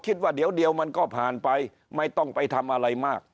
คิดว่าเดี๋ยวมันก็ผ่านไปไม่ต้องไปทำอะไรมาก